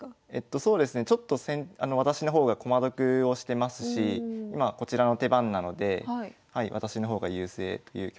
そうですねちょっと私の方が駒得をしてますし今こちらの手番なので私の方が優勢という局面ですね。